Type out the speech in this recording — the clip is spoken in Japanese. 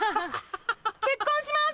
結婚します！